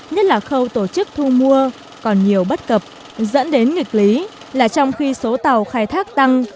nhất là khâu tổ chức thu mua còn nhiều bất cập dẫn đến nghịch lý là trong khi số tàu khai thác tăng